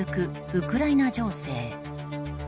ウクライナ情勢。